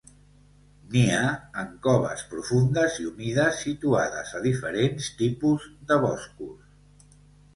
Nia en coves profundes i humides situades a diferents tipus de boscos.